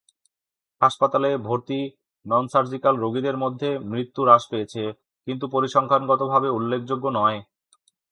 হাসপাতালে ভর্তি নন-সার্জিক্যাল রোগীদের মধ্যে, মৃত্যু হ্রাস পেয়েছে কিন্তু পরিসংখ্যানগতভাবে উল্লেখযোগ্য নয়।